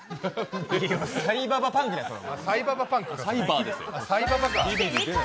サイババパンクだよ、それ！